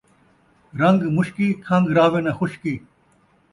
رن٘گ مشکی ، کھن٘گ رہوے ناں خشکی